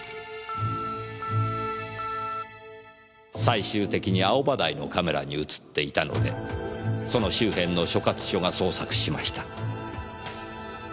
最終的に青葉台のカメラに映っていたのでその周辺の所轄署が捜索しました。